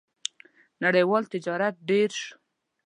• نړیوال تجارت ډېر شو.